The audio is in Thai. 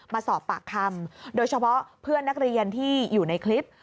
มาสอบปากคำโดยเฉพาะเพื่อนนักเรียนที่อยู่ในคลิป